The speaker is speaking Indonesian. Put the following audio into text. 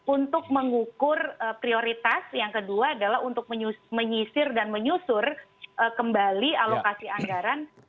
untuk mengukur prioritas yang kedua adalah untuk menyisir dan menyusur kembali alokasi anggaran